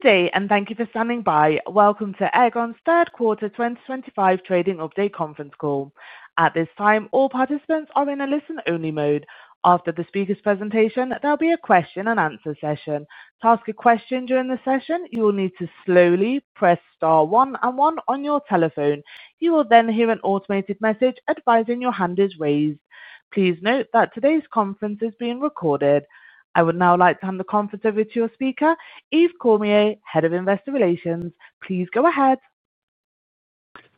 Good day, and thank you for standing by. Welcome to Aegon's third quarter 2025 trading update conference call. At this time, all participants are in a listen-only mode. After the speaker's presentation, there'll be a question-and-answer session. To ask a question during the session, you will need to slowly press star one and one on your telephone. You will then hear an automated message advising your hand is raised. Please note that today's conference is being recorded. I would now like to hand the conference over to your speaker, Yves Cormier, Head of Investor Relations. Please go ahead.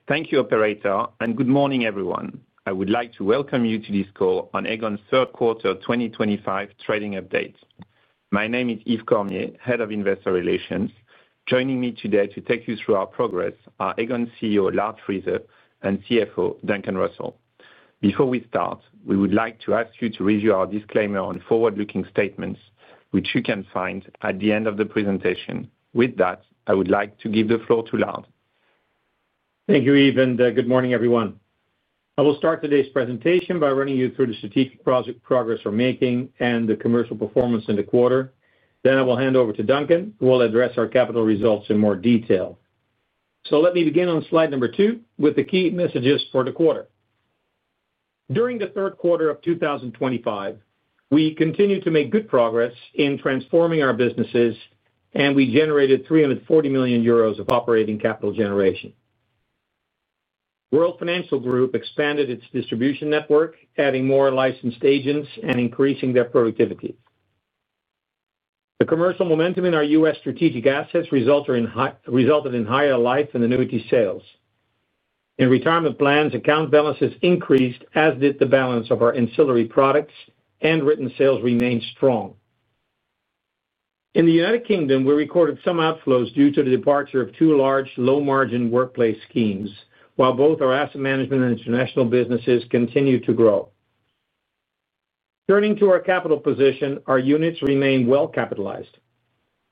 Thank you, Operator, and good morning, everyone. I would like to welcome you to this call on Aegon's third quarter 2025 trading update. My name is Yves Cormier, Head of Investor Relations. Joining me today to take you through our progress are Aegon CEO Lard Friese and CFO Duncan Russell. Before we start, we would like to ask you to review our disclaimer on forward-looking statements, which you can find at the end of the presentation. With that, I would like to give the floor to Lard. Thank you, Yves, and good morning, everyone. I will start today's presentation by running you through the strategic progress we're making and the commercial performance in the quarter. I will hand over to Duncan, who will address our capital results in more detail. Let me begin on slide number two with the key messages for the quarter. During the third quarter of 2025, we continue to make good progress in transforming our businesses, and we generated 340 million euros of operating capital generation. World Financial Group expanded its distribution network, adding more licensed agents and increasing their productivity. The commercial momentum in our U.S. strategic assets resulted in higher life and annuity sales. In retirement plans, account balances increased, as did the balance of our ancillary products, and written sales remained strong. In the United Kingdom, we recorded some outflows due to the departure of two large low-margin workplace schemes, while both our asset management and international businesses continued to grow. Turning to our capital position, our units remain well-capitalized.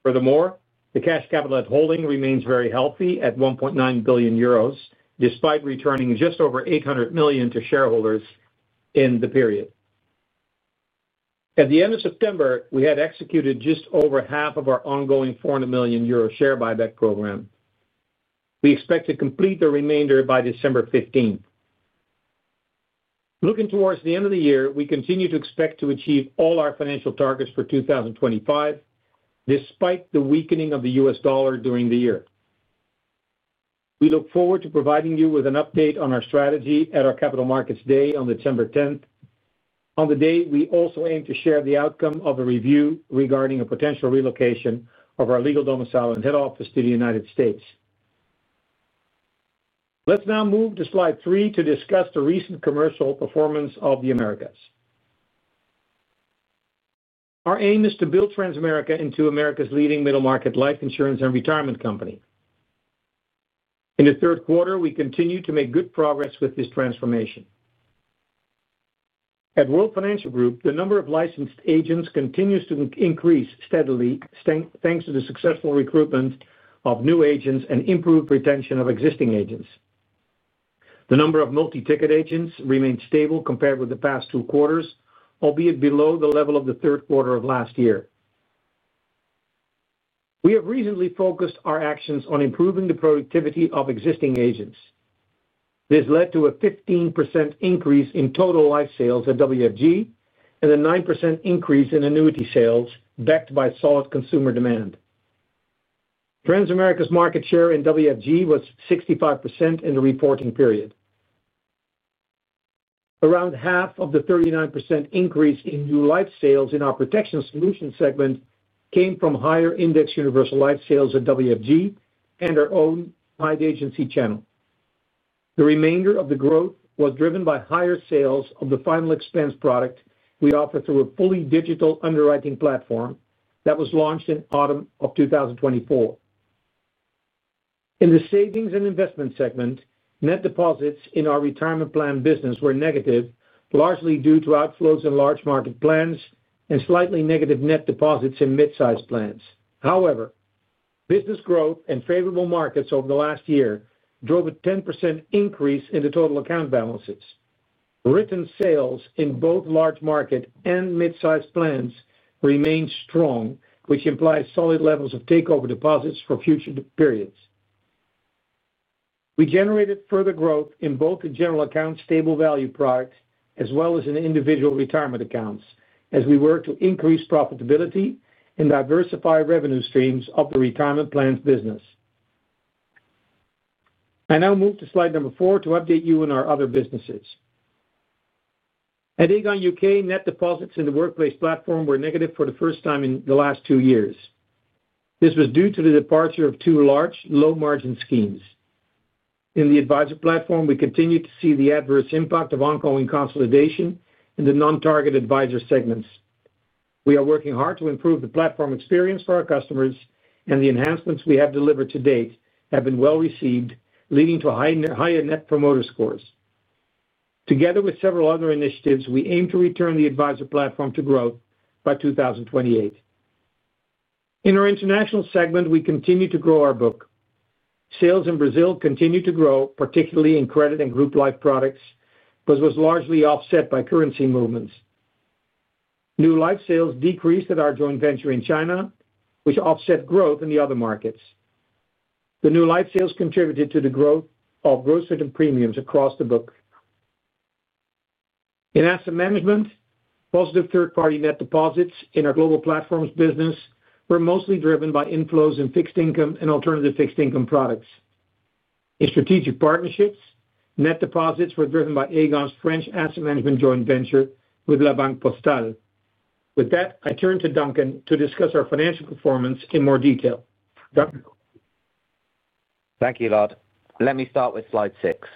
Furthermore, the cash capital at holding remains very healthy at 1.9 billion euros, despite returning just over 800 million to shareholders in the period. At the end of September, we had executed just over half of our ongoing 400 million euro share buyback program. We expect to complete the remainder by December 15th. Looking towards the end of the year, we continue to expect to achieve all our financial targets for 2025, despite the weakening of the US dollar during the year. We look forward to providing you with an update on our strategy at our Capital Markets Day on December 10th. On the day, we also aim to share the outcome of a review regarding a potential relocation of our legal domicile and head office to the United States. Let's now move to slide three to discuss the recent commercial performance of the Americas. Our aim is to build Transamerica into America's leading middle-market life insurance and retirement company. In the third quarter, we continue to make good progress with this transformation. At World Financial Group, the number of licensed agents continues to increase steadily, thanks to the successful recruitment of new agents and improved retention of existing agents. The number of multi-ticket agents remains stable compared with the past two quarters, albeit below the level of the third quarter of last year. We have recently focused our actions on improving the productivity of existing agents. This led to a 15% increase in total life sales at WFG and a 9% increase in annuity sales, backed by solid consumer demand. Transamerica's market share in WFG was 65% in the reporting period. Around half of the 39% increase in new life sales in our Protection Solutions segment came from higher index universal life sales at WFG and our own tight agency channel. The remainder of the growth was driven by higher sales of the final expense product we offer through a fully digital underwriting platform that was launched in autumn of 2024. In the Savings & Investments segment, net deposits in our retirement plan business were negative, largely due to outflows in large market plans and slightly negative net deposits in mid-size plans. However, business growth and favorable markets over the last year drove a 10% increase in the total account balances. Written sales in both large market and mid-size plans remained strong, which implies solid levels of takeover deposits for future periods. We generated further growth in both the general accounts stable value product as well as in individual retirement accounts as we work to increase profitability and diversify revenue streams of the retirement plans business. I now move to slide number four to update you on our other businesses. At Aegon U.K., net deposits in the workplace platform were negative for the first time in the last two years. This was due to the departure of two large low-margin schemes. In the advisor platform, we continue to see the adverse impact of ongoing consolidation in the non-target advisor segments. We are working hard to improve the platform experience for our customers, and the enhancements we have delivered to date have been well received, leading to higher net promoter scores. Together with several other initiatives, we aim to return the advisor platform to growth by 2028. In our international segment, we continue to grow our book. Sales in Brazil continue to grow, particularly in credit and group life products, but was largely offset by currency movements. New life sales decreased at our joint venture in China, which offset growth in the other markets. The new life sales contributed to the growth of gross rate and premiums across the book. In asset management, positive third-party net deposits in our global platforms business were mostly driven by inflows in fixed income and alternative fixed income products. In strategic partnerships, net deposits were driven by Aegon's French asset management joint venture with La Banque Postale. With that, I turn to Duncan to discuss our financial performance in more detail. Thank you, Lard. Let me start with slide six.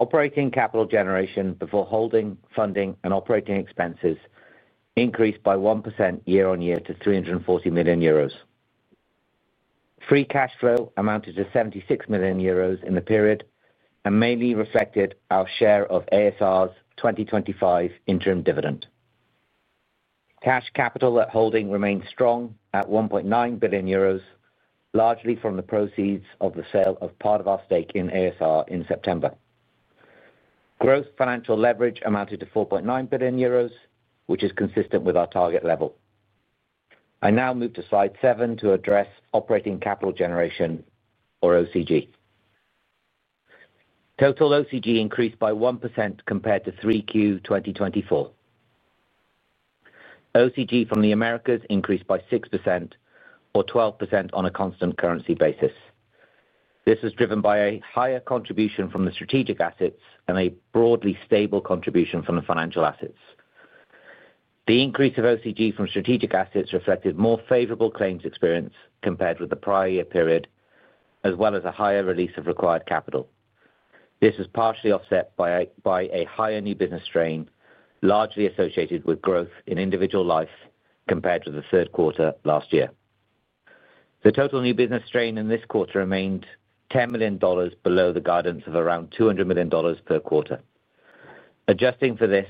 Operating capital generation before holding, funding, and operating expenses increased by 1% year-on-year to 340 million euros. Free cash flow amounted to 76 million euros in the period and mainly reflected our share of ASR's 2025 interim dividend. Cash capital at holding remained strong at 1.9 billion euros, largely from the proceeds of the sale of part of our stake in ASR in September. Gross financial leverage amounted to 4.9 billion euros, which is consistent with our target level. I now move to slide seven to address operating capital generation, or OCG. Total OCG increased by 1% compared to Q3 2024. OCG from the Americas increased by 6%, or 12% on a constant currency basis. This was driven by a higher contribution from the strategic assets and a broadly stable contribution from the financial assets. The increase of OCG from strategic assets reflected more favorable claims experience compared with the prior year period, as well as a higher release of required capital. This was partially offset by a higher new business strain, largely associated with growth in individual life compared with the third quarter last year. The total new business strain in this quarter remained $10 million below the guidance of around $200 million per quarter. Adjusting for this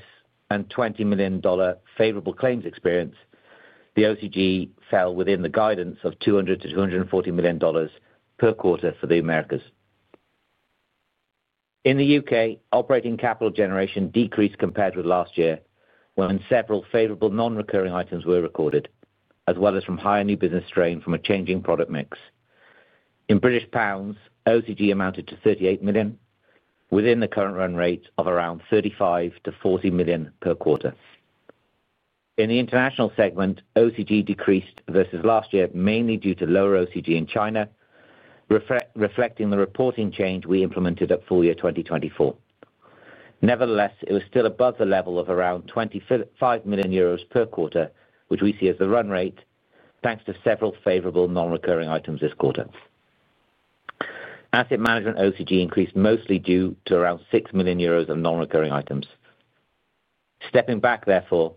and $20 million favorable claims experience, the OCG fell within the guidance of $200 million-$240 million per quarter for the U.S. In the U.K., operating capital generation decreased compared with last year when several favorable non-recurring items were recorded, as well as from higher new business strain from a changing product mix. In British pounds, OCG amounted to 38 million, within the current run rate of around 35 million-40 million per quarter. In the international segment, OCG decreased versus last year, mainly due to lower OCG in China, reflecting the reporting change we implemented at full year 2024. Nevertheless, it was still above the level of around 25 million euros per quarter, which we see as the run rate, thanks to several favorable non-recurring items this quarter. Asset management OCG increased mostly due to around 6 million euros of non-recurring items. Stepping back, therefore,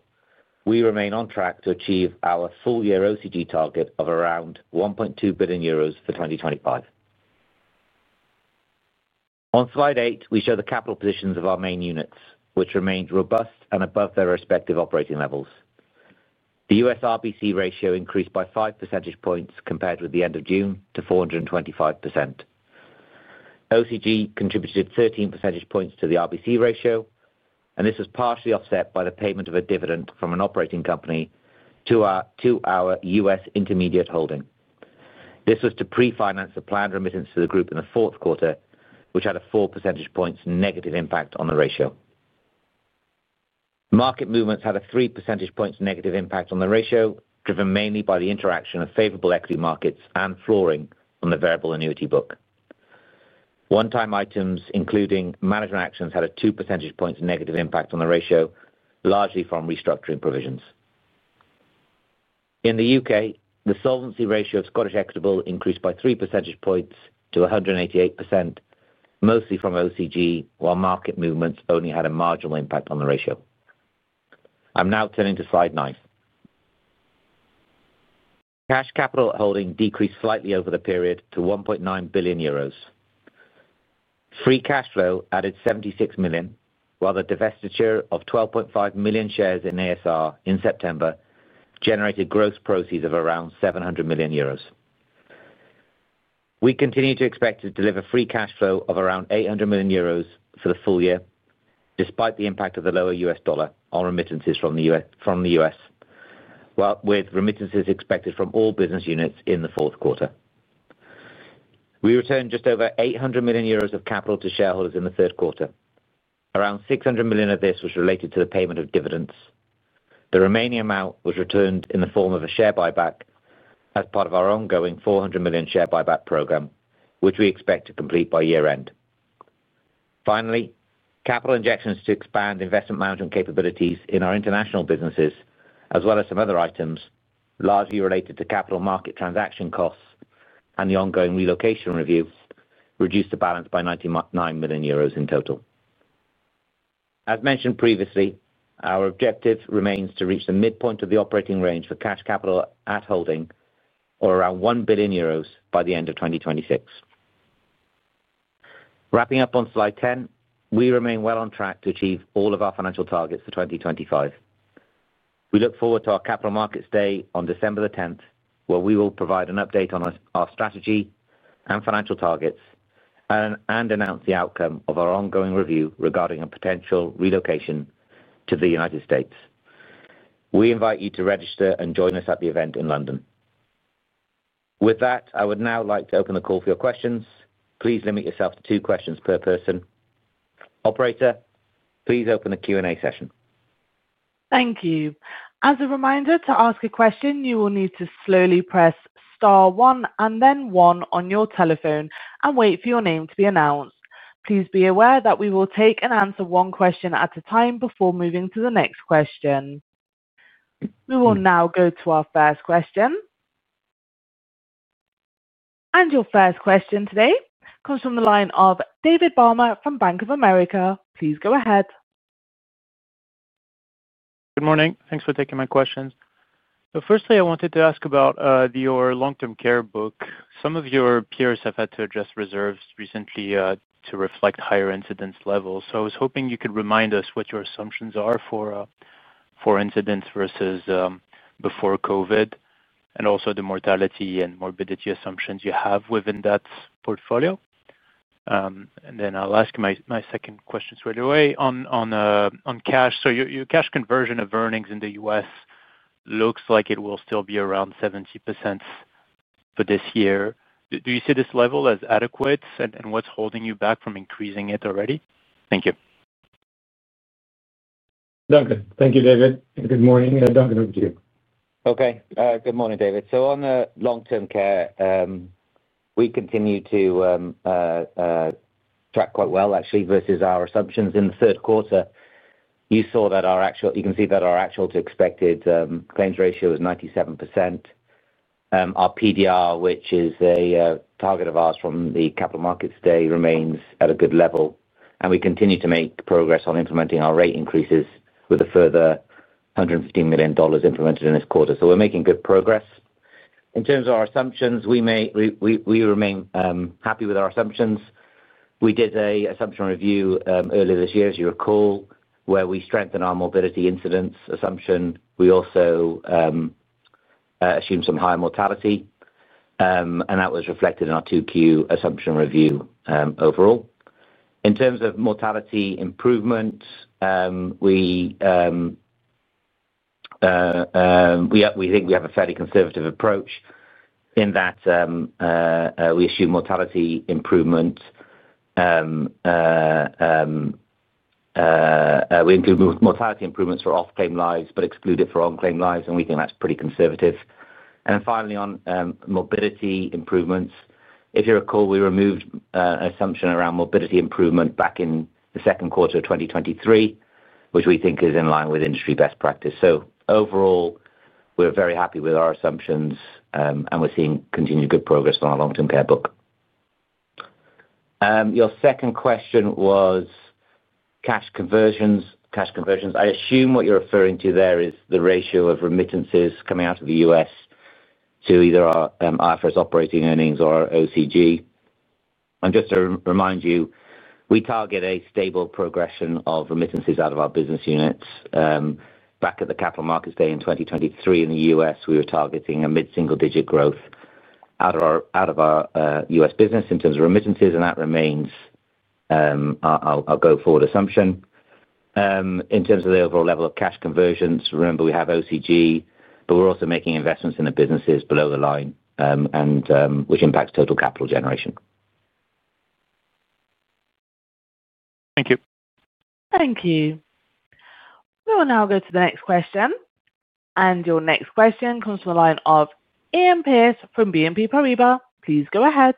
we remain on track to achieve our full year OCG target of around 1.2 billion euros for 2025. On slide eight, we show the capital positions of our main units, which remained robust and above their respective operating levels. The U.S. RBC ratio increased by five percentage points compared with the end of June to 425%. OCG contributed 13 percentage points to the RBC ratio, and this was partially offset by the payment of a dividend from an operating company to our U.S. intermediate holding. This was to pre-finance the planned remittance to the group in the fourth quarter, which had a four percentage points negative impact on the ratio. Market movements had a three percentage points negative impact on the ratio, driven mainly by the interaction of favorable equity markets and flooring on the variable annuity book. One-time items, including management actions, had a two percentage points negative impact on the ratio, largely from restructuring provisions. In the U.K., the solvency ratio of Scottish Equitable increased by three percentage points to 188%, mostly from OCG, while market movements only had a marginal impact on the ratio. I'm now turning to slide nine. Cash capital at holding decreased slightly over the period to 1.9 billion euros. Free cash flow added 76 million, while the divestiture of 12.5 million shares in ASR in September generated gross proceeds of around 700 million euros. We continue to expect to deliver free cash flow of around 800 million euros for the full year, despite the impact of the lower US dollar on remittances from the U.S., with remittances expected from all business units in the fourth quarter. We returned just over 800 million euros of capital to shareholders in the third quarter. Around 600 million of this was related to the payment of dividends. The remaining amount was returned in the form of a share buyback as part of our ongoing 400 million share buyback program, which we expect to complete by year-end. Finally, capital injections to expand investment management capabilities in our international businesses, as well as some other items, largely related to capital market transaction costs and the ongoing relocation review, reduced the balance by 99 million euros in total. As mentioned previously, our objective remains to reach the midpoint of the operating range for cash capital at holding, or around 1 billion euros by the end of 2026. Wrapping up on slide ten, we remain well on track to achieve all of our financial targets for 2025. We look forward to our Capital Markets Day on December the 10th, where we will provide an update on our strategy and financial targets and announce the outcome of our ongoing review regarding a potential relocation to the United States. We invite you to register and join us at the event in London. With that, I would now like to open the call for your questions. Please limit yourself to two questions per person. Operator, please open the Q&A session. Thank you. As a reminder, to ask a question, you will need to slowly press star one and then one on your telephone and wait for your name to be announced. Please be aware that we will take and answer one question at a time before moving to the next question. We will now go to our first question. Your first question today comes from the line of David Barma from Bank of America. Please go ahead. Good morning. Thanks for taking my questions. Firstly, I wanted to ask about your long-term care book. Some of your peers have had to adjust reserves recently to reflect higher incidence levels. I was hoping you could remind us what your assumptions are for incidence versus before COVID and also the mortality and morbidity assumptions you have within that portfolio. I will ask my second question straight away on cash. Your cash conversion of earnings in the U.S. looks like it will still be around 70% for this year. Do you see this level as adequate? What is holding you back from increasing it already? Thank you. Duncan, thank you, David. Good morning. Duncan, over to you. Okay. Good morning, David. On the long-term care, we continue to track quite well, actually, versus our assumptions in the third quarter. You saw that our actual—you can see that our actual to expected claims ratio is 97%. Our PDR, which is a target of ours from the Capital Markets Day, remains at a good level. We continue to make progress on implementing our rate increases with a further $115 million implemented in this quarter. We are making good progress. In terms of our assumptions, we remain happy with our assumptions. We did an assumption review earlier this year, as you recall, where we strengthened our morbidity incidence assumption. We also assumed some higher mortality. That was reflected in our 2Q assumption review overall. In terms of mortality improvement, we think we have a fairly conservative approach in that we assume mortality improvements—we include mortality improvements for off-claim lives but exclude it for on-claim lives. We think that is pretty conservative. Finally, on morbidity improvements, if you recall, we removed an assumption around morbidity improvement back in the second quarter of 2023, which we think is in line with industry best practice. Overall, we are very happy with our assumptions, and we are seeing continued good progress on our long-term care book. Your second question was cash conversions. Cash conversions. I assume what you are referring to there is the ratio of remittances coming out of the U.S. to either our first operating earnings or our OCG. Just to remind you, we target a stable progression of remittances out of our business units. Back at the Capital Markets Day in 2023 in the U.S., we were targeting a mid-single-digit growth out of our U.S. business in terms of remittances. That remains our go-forward assumption. In terms of the overall level of cash conversions, remember, we have OCG, but we're also making investments in the businesses below the line, which impacts total capital generation. Thank you. Thank you. We will now go to the next question. Your next question comes from the line of Iain Pearce from BNP Paribas. Please go ahead.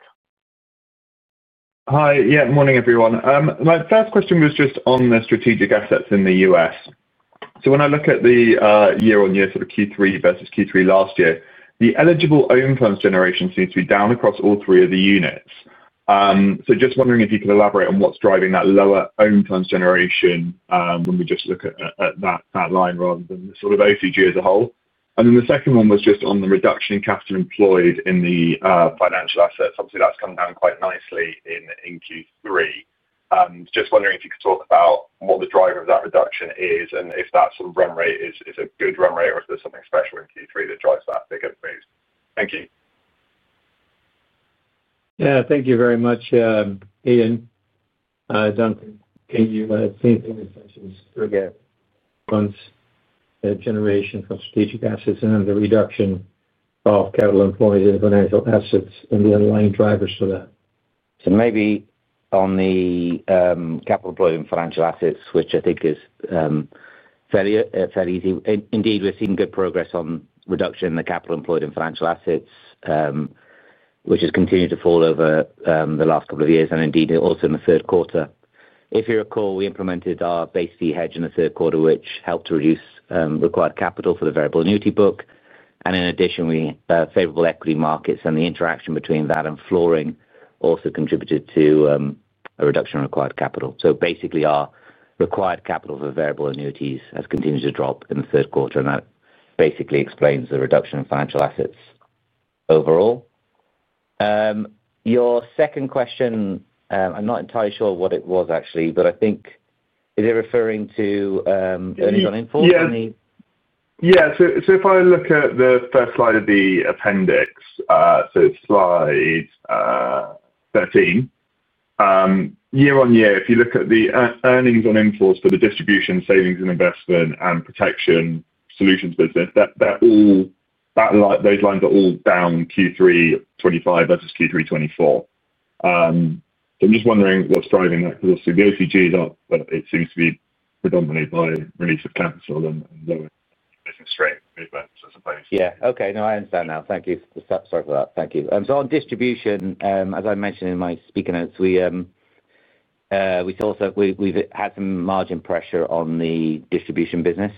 Hi. Yeah, morning, everyone. My first question was just on the strategic assets in the U.S. When I look at the year-on-year sort of Q3 versus Q3 last year, the eligible own funds generation seems to be down across all three of the units. Just wondering if you could elaborate on what's driving that lower own funds generation when we just look at that line rather than the sort of OCG as a whole. The second one was just on the reduction in capital employed in the financial assets. Obviously, that's come down quite nicely in Q3. Just wondering if you could talk about what the driver of that reduction is and if that sort of run rate is a good run rate or if there's something special in Q3 that drives that bigger move. Thank you. Yeah. Thank you very much, Ian. Duncan, can you say anything in this session? Yeah. Funds generation from strategic assets and then the reduction of capital employed in financial assets and the underlying drivers for that. Maybe on the capital employed in financial assets, which I think is fairly easy. Indeed, we're seeing good progress on reduction in the capital employed in financial assets, which has continued to fall over the last couple of years and indeed also in the third quarter. If you recall, we implemented our base fee hedge in the third quarter, which helped to reduce required capital for the variable annuity book. In addition, favorable equity markets and the interaction between that and flooring also contributed to a reduction in required capital. Basically, our required capital for variable annuities has continued to drop in the third quarter. That basically explains the reduction in financial assets overall. Your second question, I'm not entirely sure what it was actually, but I think is it referring to earnings on in-force? Yeah. Yeah. If I look at the first slide of the appendix, slide 13, year-on-year, if you look at the earnings on in-force for the distribution, savings & investments, and Protection Solutions business, those lines are all down Q3 2025 versus Q3 2024. I am just wondering what is driving that because obviously the OCGs are, but it seems to be predominantly by release of capital and lowering new business strain movements, I suppose. Yeah. Okay. No, I understand now. Thank you. Sorry for that. Thank you. On distribution, as I mentioned in my speaker notes, we've had some margin pressure on the distribution business.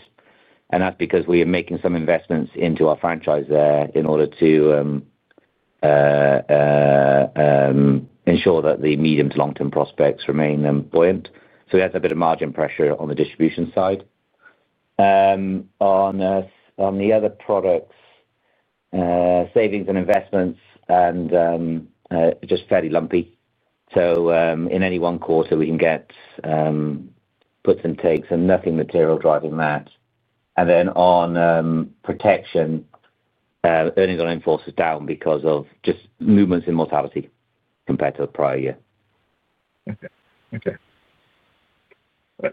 That's because we are making some investments into our franchise there in order to ensure that the medium to long-term prospects remain buoyant. We had a bit of margin pressure on the distribution side. On the other products, savings and investments are just fairly lumpy. In any one quarter, we can get puts and takes and nothing material driving that. On protection, earnings on in-force is down because of just movements in mortality compared to the prior year. Okay. Okay.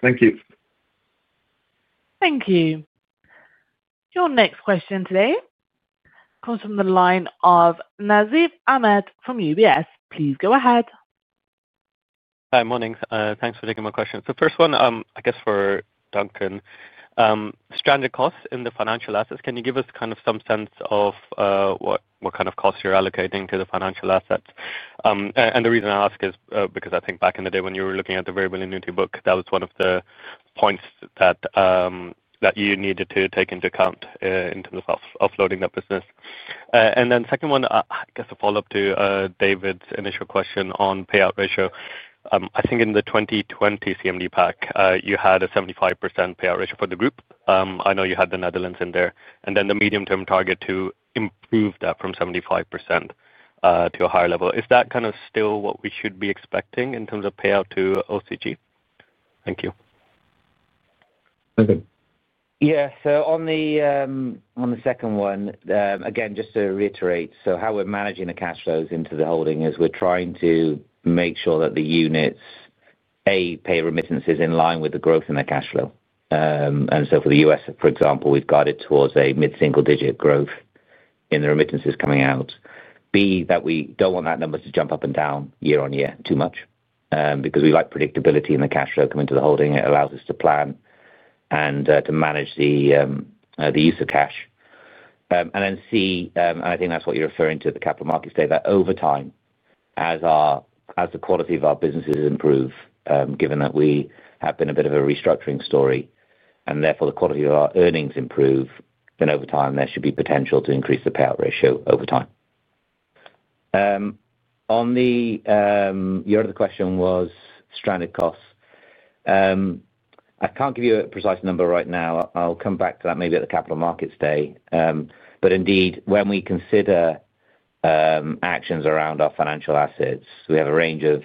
Thank you. Thank you. Your next question today comes from the line of Nasib Ahmed from UBS. Please go ahead. Hi. Morning. Thanks for taking my question. First one, I guess for Duncan, stranded costs in the financial assets, can you give us kind of some sense of what kind of costs you're allocating to the financial assets? The reason I ask is because I think back in the day when you were looking at the variable annuity book, that was one of the points that you needed to take into account in terms of offloading that business. Second one, I guess a follow-up to David's initial question on payout ratio. I think in the 2020 CMD pack, you had a 75% payout ratio for the group. I know you had the Netherlands in there. The medium-term target to improve that from 75% to a higher level. Is that kind of still what we should be expecting in terms of payout to OCG? Thank you. Yeah. On the second one, again, just to reiterate, how we're managing the cash flows into the holding is we're trying to make sure that the units, A, pay remittances in line with the growth in their cash flow. For the U.S., for example, we've guided towards a mid-single-digit growth in the remittances coming out. B, we do not want that number to jump up and down year-on-year too much because we like predictability in the cash flow coming to the holding. It allows us to plan and to manage the use of cash. C, and I think that's what you're referring to, the capital markets data, over time as the quality of our businesses improve, given that we have been a bit of a restructuring story. Therefore, the quality of our earnings improve, then over time, there should be potential to increase the payout ratio over time. Your other question was stranded costs. I cannot give you a precise number right now. I will come back to that maybe at the Capital Markets Day. Indeed, when we consider actions around our financial assets, we have a range of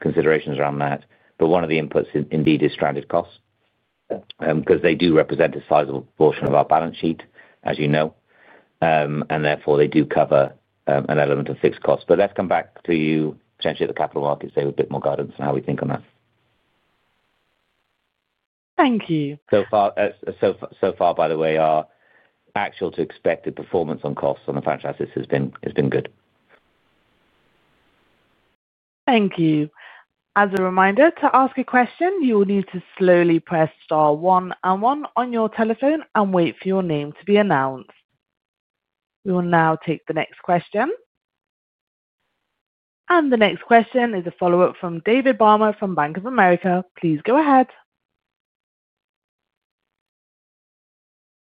considerations around that. One of the inputs indeed is stranded costs because they do represent a sizable portion of our balance sheet, as you know. Therefore, they do cover an element of fixed costs. Let us come back to you, potentially at the Capital Markets Day, with a bit more guidance on how we think on that. Thank you. So far, by the way, our actual to expected performance on costs on the financial assets has been good. Thank you. As a reminder, to ask a question, you will need to slowly press star one and one on your telephone and wait for your name to be announced. We will now take the next question. The next question is a follow-up from David Barma from Bank of America. Please go ahead.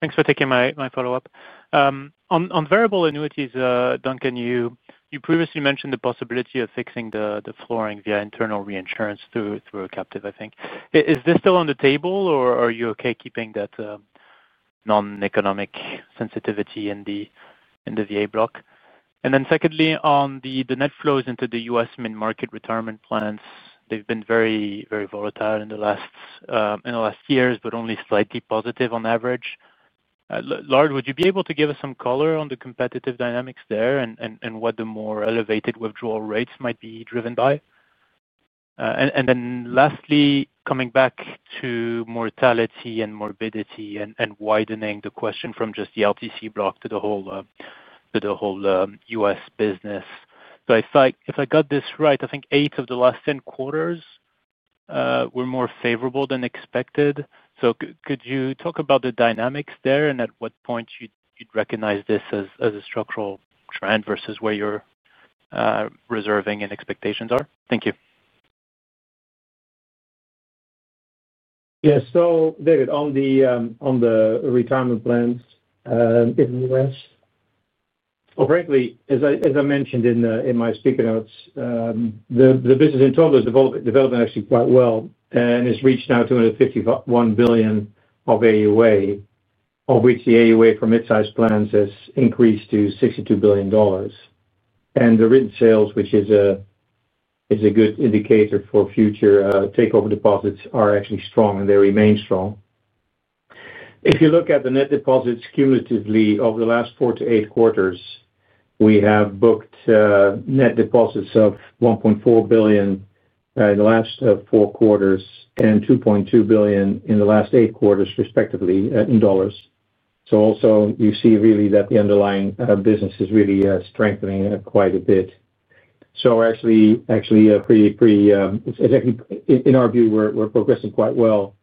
Thanks for taking my follow-up. On variable annuities, Duncan, you previously mentioned the possibility of fixing the flooring via internal reinsurance through a captive, I think. Is this still on the table, or are you okay keeping that non-economic sensitivity in the VA block? Secondly, on the net flows into the U.S. mid-market retirement plans, they have been very, very volatile in the last years, but only slightly positive on average. Lars, would you be able to give us some color on the competitive dynamics there and what the more elevated withdrawal rates might be driven by? Lastly, coming back to mortality and morbidity and widening the question from just the long-term care block to the whole U.S. business. If I got this right, I think eight of the last ten quarters were more favorable than expected. Could you talk about the dynamics there and at what point you'd recognize this as a structural trend versus where your reserving and expectations are? Thank you. Yeah. David, on the retirement plans in the U.S., frankly, as I mentioned in my speaker notes, the business in total is developing actually quite well and has reached now $251 billion of AUA, of which the AUA for mid-sized plans has increased to $62 billion. The written sales, which is a good indicator for future takeover deposits, are actually strong, and they remain strong. If you look at the net deposits cumulatively over the last four to eight quarters, we have booked net deposits of $1.4 billion in the last four quarters and $2.2 billion in the last eight quarters, respectively, in dollars. You see really that the underlying business is really strengthening quite a bit. Actually, in our view, we are progressing quite well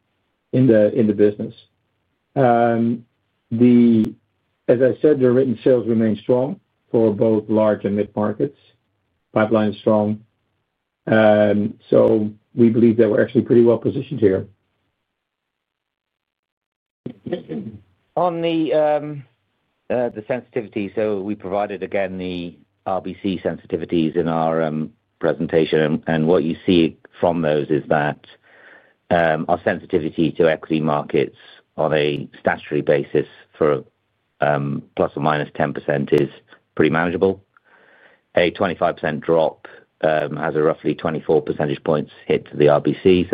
in the business. As I said, the written sales remain strong for both large and mid-markets. Pipeline is strong. We believe that we're actually pretty well positioned here. On the sensitivity, we provided, again, the RBC sensitivities in our presentation. What you see from those is that our sensitivity to equity markets on a statutory basis for ±10% is pretty manageable. A 25% drop has roughly 24 percentage points hit to the RBC.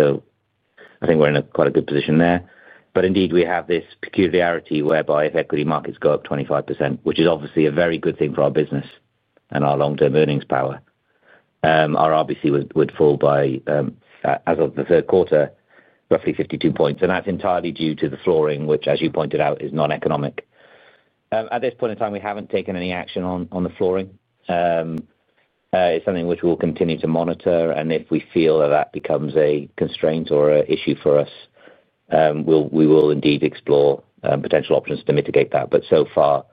I think we are in quite a good position there. Indeed, we have this peculiarity whereby if equity markets go up 25%, which is obviously a very good thing for our business and our long-term earnings power, our RBC would fall by, as of the third quarter, roughly 52 percentage points. That is entirely due to the flooring, which, as you pointed out, is non-economic. At this point in time, we have not taken any action on the flooring. It is something which we will continue to monitor. If we feel that that becomes a constraint or an issue for us, we will indeed explore potential options to mitigate that. So far,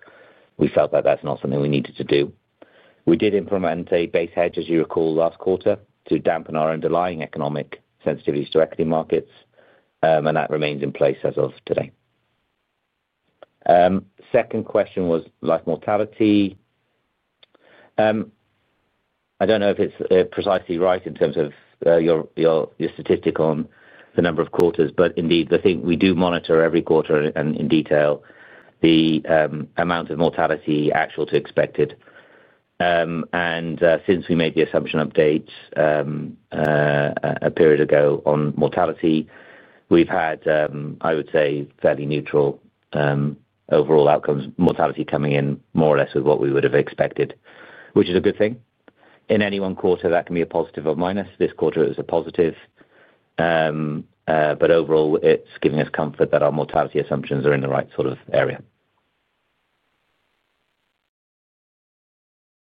we felt that that's not something we needed to do. We did implement a base hedge, as you recall, last quarter to dampen our underlying economic sensitivities to equity markets. That remains in place as of today. The second question was life mortality. I do not know if it is precisely right in terms of your statistic on the number of quarters, but indeed, the thing we do monitor every quarter in detail, the amount of mortality actual to expected. Since we made the assumption updates a period ago on mortality, we have had, I would say, fairly neutral overall outcomes, mortality coming in more or less with what we would have expected, which is a good thing. In any one quarter, that can be a positive or minus. This quarter, it was a positive. Overall, it's giving us comfort that our mortality assumptions are in the right sort of area.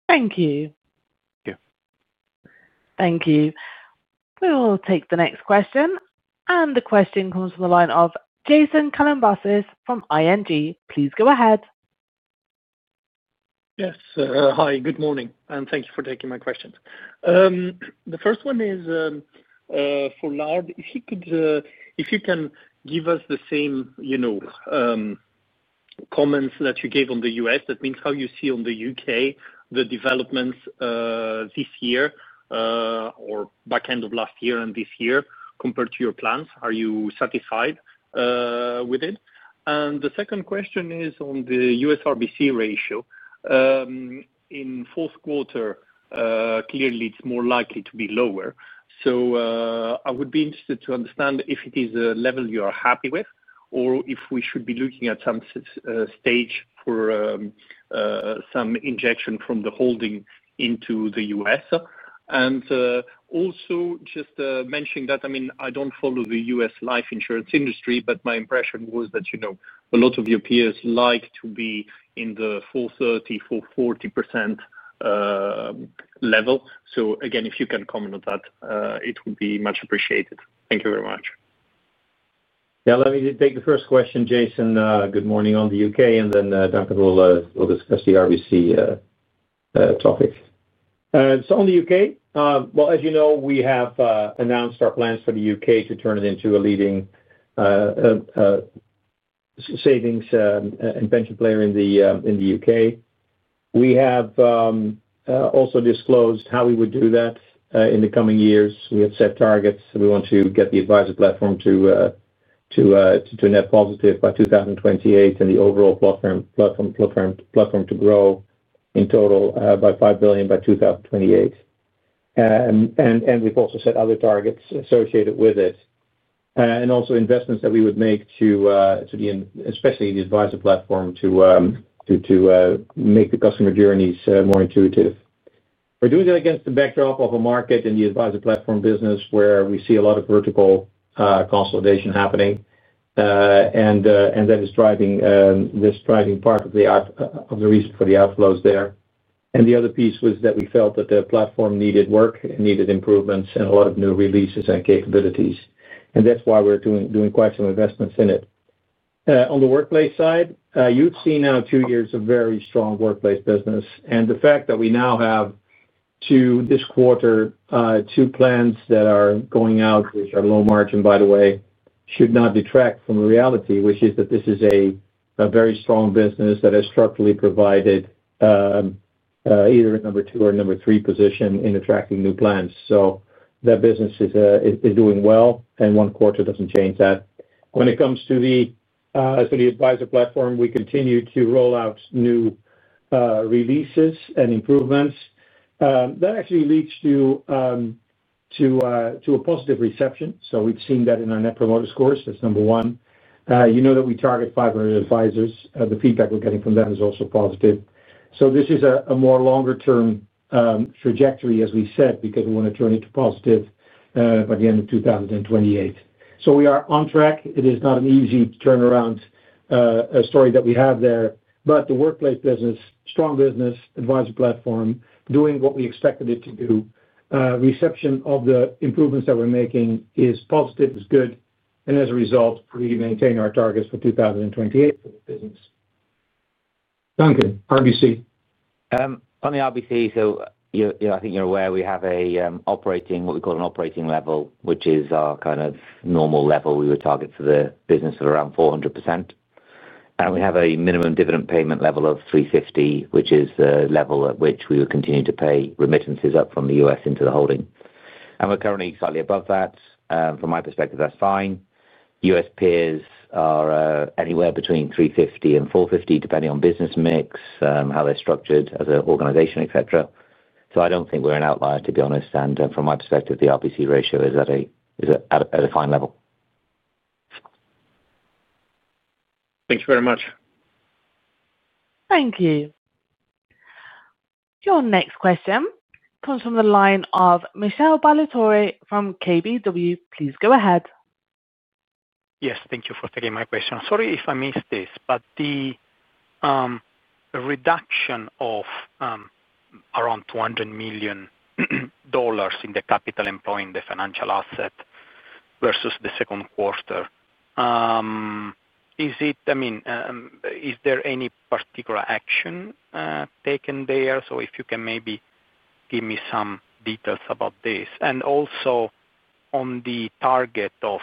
Thank you. Thank you. Thank you. We'll take the next question. The question comes from the line of Jason Kalamboussis from ING. Please go ahead. Yes. Hi. Good morning. Thank you for taking my questions. The first one is for Lars. If you can give us the same comments that you gave on the U.S., that means how you see on the U.K. the developments this year or back end of last year and this year compared to your plans? Are you satisfied with it? The second question is on the U.S.-RBC ratio. In fourth quarter, clearly, it is more likely to be lower. I would be interested to understand if it is a level you are happy with or if we should be looking at some stage for some injection from the holding into the U.S. Also, just mentioning that, I mean, I do not follow the U.S. life insurance industry, but my impression was that a lot of your peers like to be in the 430%-440% level. If you can comment on that, it would be much appreciated. Thank you very much. Yeah. Let me take the first question, Jason. Good morning on the U.K. And then Duncan will discuss the RBC topic. On the U.K., as you know, we have announced our plans for the U.K. to turn it into a leading savings and pension player in the U.K. We have also disclosed how we would do that in the coming years. We have set targets. We want to get the advisor platform to net positive by 2028 and the overall platform to grow in total by 5 billion by 2028. We have also set other targets associated with it and also investments that we would make to the, especially the advisor platform, to make the customer journeys more intuitive. We are doing that against the backdrop of a market in the advisor platform business where we see a lot of vertical consolidation happening. That is driving part of the reason for the outflows there. The other piece was that we felt that the platform needed work and needed improvements and a lot of new releases and capabilities. That is why we are doing quite some investments in it. On the workplace side, you have seen now two years of very strong workplace business. The fact that we now have two, this quarter, two plans that are going out, which are low margin, by the way, should not detract from the reality, which is that this is a very strong business that has structurally provided either a number two or a number three position in attracting new plans. That business is doing well, and one quarter does not change that. When it comes to the advisor platform, we continue to roll out new releases and improvements. That actually leads to a positive reception. We have seen that in our net promoter scores. That is number one. You know that we target 500 advisors. The feedback we are getting from them is also positive. This is a more longer-term trajectory, as we said, because we want to turn it to positive by the end of 2028. We are on track. It is not an easy turnaround story that we have there. The workplace business, strong business, advisor platform, doing what we expected it to do, reception of the improvements that we are making is positive, is good. As a result, we maintain our targets for 2028 for the business. Duncan, RBC. On the RBC, I think you're aware, we have what we call an operating level, which is our kind of normal level. We would target for the business of around 400%. We have a minimum dividend payment level of 350%, which is the level at which we would continue to pay remittances up from the U.S. into the holding. We're currently slightly above that. From my perspective, that's fine. U.S. peers are anywhere between 350%-450%, depending on business mix, how they're structured as an organization, etc. I do not think we're an outlier, to be honest. From my perspective, the RBC ratio is at a fine level. Thank you very much. Thank you. Your next question comes from the line of Michele Ballatore from KBW. Please go ahead. Yes. Thank you for taking my question. Sorry if I missed this, but the reduction of around $200 million in the capital employed in the financial asset versus the second quarter, I mean, is there any particular action taken there? If you can maybe give me some details about this. Also, on the target of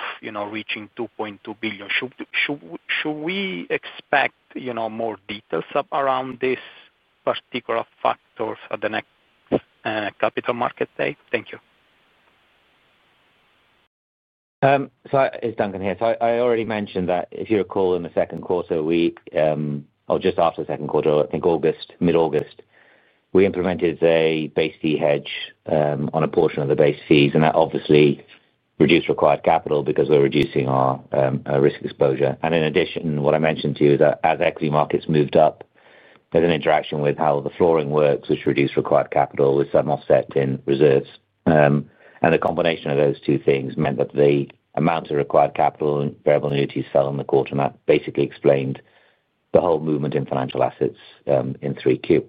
reaching $2.2 billion, should we expect more details around these particular factors at the next Capital Markets Day? Thank you. It's Duncan here. I already mentioned that if you recall in the second quarter week, or just after the second quarter, I think August, mid-August, we implemented a base fee hedge on a portion of the base fees. That obviously reduced required capital because we're reducing our risk exposure. In addition, what I mentioned to you is that as equity markets moved up, there's an interaction with how the flooring works, which reduced required capital with some offset in reserves. The combination of those two things meant that the amount of required capital in variable annuities fell in the quarter. That basically explained the whole movement in financial assets in 3Q.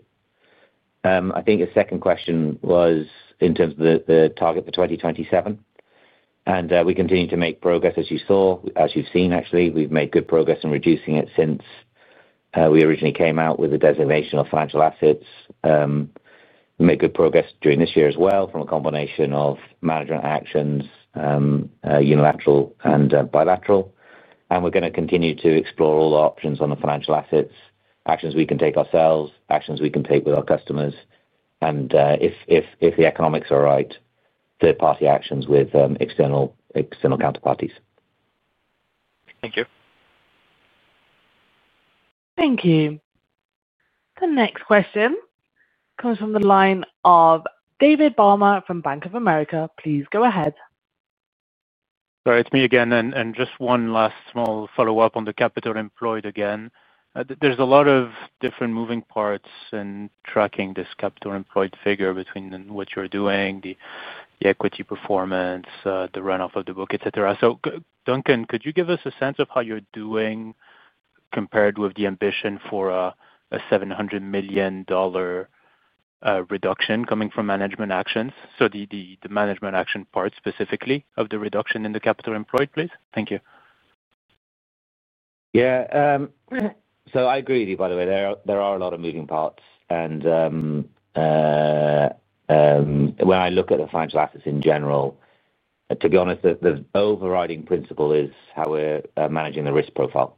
I think the second question was in terms of the target for 2027. We continue to make progress, as you saw, as you've seen, actually. We've made good progress in reducing it since we originally came out with the designation of financial assets. We made good progress during this year as well from a combination of management actions, unilateral and bilateral. We're going to continue to explore all options on the financial assets, actions we can take ourselves, actions we can take with our customers. If the economics are right, third-party actions with external counterparties. Thank you. Thank you. The next question comes from the line of David Barma from Bank of America. Please go ahead. Sorry, it's me again. Just one last small follow-up on the capital employed again. There's a lot of different moving parts in tracking this capital employed figure between what you're doing, the equity performance, the run-off of the book, etc. Duncan, could you give us a sense of how you're doing compared with the ambition for a $700 million reduction coming from management actions? The management action part specifically of the reduction in the capital employed, please. Thank you. Yeah. I agree with you, by the way. There are a lot of moving parts. When I look at the financial assets in general, to be honest, the overriding principle is how we're managing the risk profile.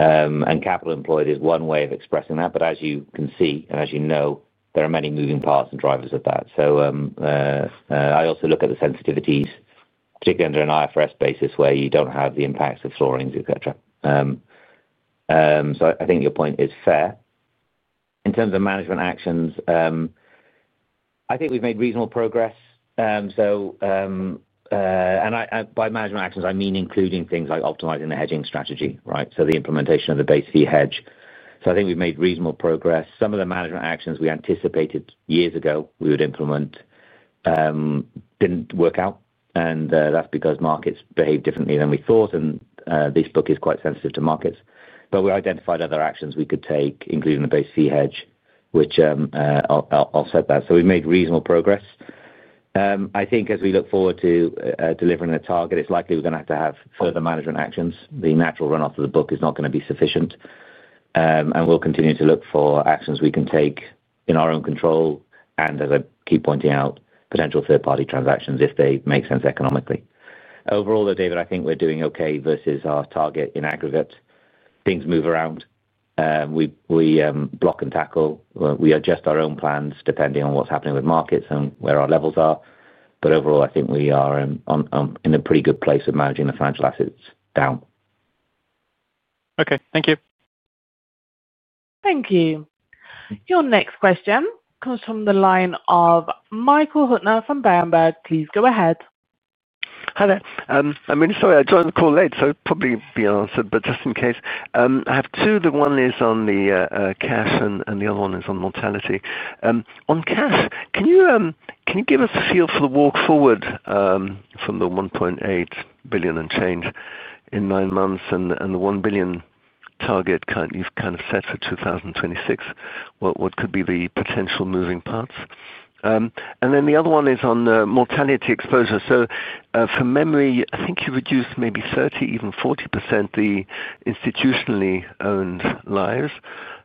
Capital employed is one way of expressing that. As you can see and as you know, there are many moving parts and drivers of that. I also look at the sensitivities, particularly under an IFRS basis where you do not have the impacts of floorings, etc. I think your point is fair. In terms of management actions, I think we have made reasonable progress. By management actions, I mean including things like optimizing the hedging strategy, right? The implementation of the base fee hedge. I think we have made reasonable progress. Some of the management actions we anticipated years ago we would implement did not work out. That is because markets behaved differently than we thought. This book is quite sensitive to markets. We identified other actions we could take, including the base fee hedge, which I will set that. We have made reasonable progress. I think as we look forward to delivering the target, it is likely we are going to have to have further management actions. The natural run-off of the book is not going to be sufficient. We will continue to look for actions we can take in our own control and, as I keep pointing out, potential third-party transactions if they make sense economically. Overall, though, David, I think we are doing okay versus our target in aggregate. Things move around. We block and tackle. We adjust our own plans depending on what is happening with markets and where our levels are. Overall, I think we are in a pretty good place of managing the financial assets down. Okay. Thank you. Thank you. Your next question comes from the line of Michael Huttner from Berenberg. Please go ahead. Hi there. I'm really sorry. I joined the call late, so it probably will be answered, but just in case. I have two. The one is on the cash, and the other one is on mortality. On cash, can you give us a feel for the walk forward from the $1.8 billion and change in nine months and the $1 billion target you've kind of set for 2026? What could be the potential moving parts? The other one is on mortality exposure. From memory, I think you reduced maybe 30%, even 40%, the institutionally owned lives.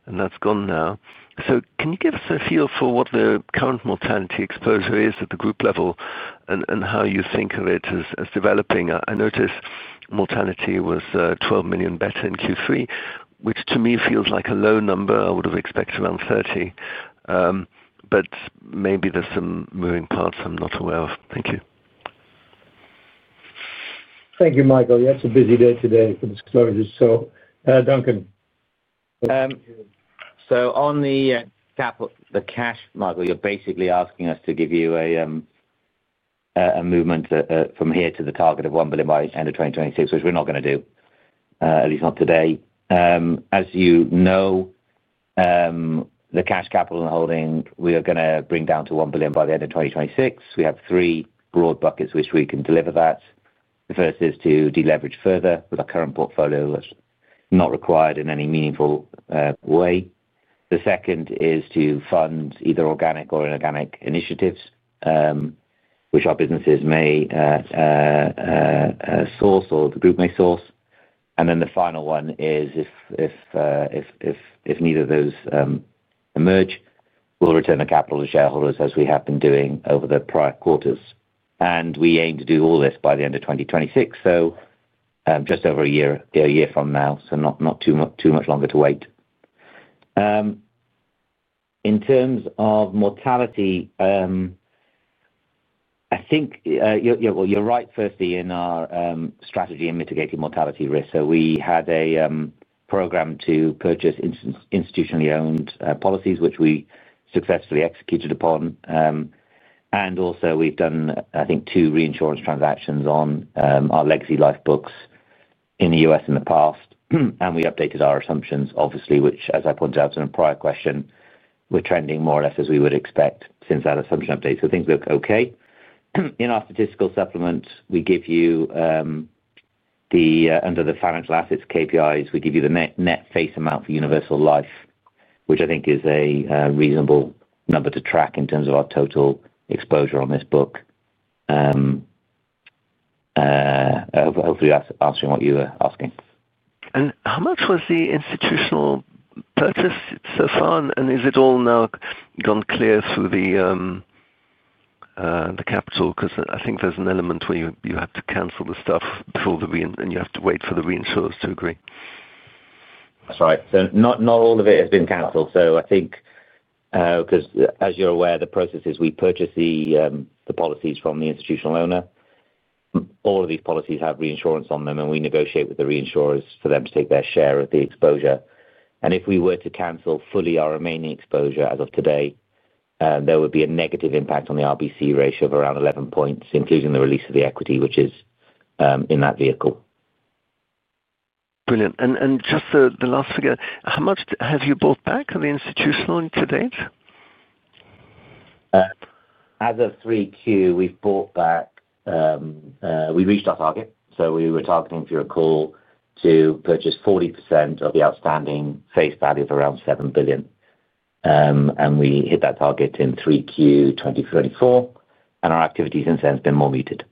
That is gone now. Can you give us a feel for what the current mortality exposure is at the group level and how you think of it as developing? I noticed mortality was $12 million better in Q3, which to me feels like a low number. I would have expected around 30. Maybe there's some moving parts I'm not aware of. Thank you. Thank you, Michael. Yeah, it's a busy day today for disclosures. So Duncan. On the cash, Michael, you're basically asking us to give you a movement from here to the target of $1 billion by the end of 2026, which we're not going to do, at least not today. As you know, the cash capital in the holding, we are going to bring down to $1 billion by the end of 2026. We have three broad buckets which we can deliver that. The first is to deleverage further with our current portfolio, which is not required in any meaningful way. The second is to fund either organic or inorganic initiatives, which our businesses may source or the group may source. The final one is if neither of those emerge, we'll return the capital to shareholders as we have been doing over the prior quarters. We aim to do all this by the end of 2026, so just over a year from now, not too much longer to wait. In terms of mortality, I think you're right, firstly, in our strategy and mitigating mortality risk. We had a program to purchase institutionally owned policies, which we successfully executed upon. Also, we've done, I think, two reinsurance transactions on our legacy life books in the U.S. in the past. We updated our assumptions, obviously, which, as I pointed out in a prior question, are trending more or less as we would expect since that assumption update. Things look okay. In our statistical supplement, we give you under the financial assets KPIs, we give you the net face amount for universal life, which I think is a reasonable number to track in terms of our total exposure on this book, hopefully answering what you were asking. How much was the institutional purchase so far? Is it all now gone clear through the capital? I think there's an element where you have to cancel the stuff before the re- and you have to wait for the reinsurers to agree. Sorry. Not all of it has been canceled. I think, because as you're aware, the process is we purchase the policies from the institutional owner. All of these policies have reinsurance on them, and we negotiate with the reinsurers for them to take their share of the exposure. If we were to cancel fully our remaining exposure as of today, there would be a negative impact on the RBC ratio of around 11 percentage points, including the release of the equity, which is in that vehicle. Brilliant. Just the last figure, how much have you bought back of the institutional to date? As of 3Q, we've bought back. We reached our target. We were targeting through a call to purchase 40% of the outstanding face value of around $7 billion. We hit that target in 3Q 2024. Our activity since then has been more muted.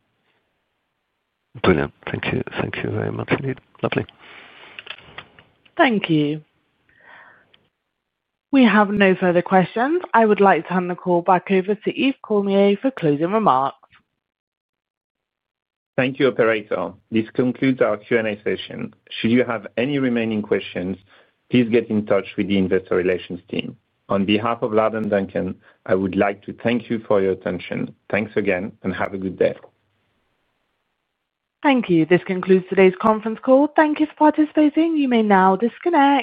Brilliant. Thank you. Thank you very much, indeed. Lovely. Thank you. We have no further questions. I would like to hand the call back over to Yves Cormier for closing remarks. Thank you, Operator. This concludes our Q&A session. Should you have any remaining questions, please get in touch with the investor relations team. On behalf of Lard and Duncan, I would like to thank you for your attention. Thanks again, and have a good day. Thank you. This concludes today's conference call. Thank you for participating. You may now disconnect.